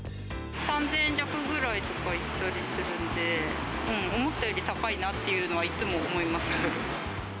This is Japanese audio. ３０００円弱とかいったりするんで、思ったより高いなっていうのは、いつも思います。